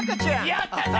やったぜ！